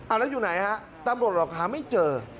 เอาแล้วอยู่ไหนฮะตำรวจบอกหาไม่เจอ